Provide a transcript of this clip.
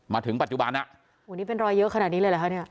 มาถึงปัจจุบันอ่ะโอ้โหนี่เป็นรอยเยอะขนาดนี้เลยเหรอคะเนี่ย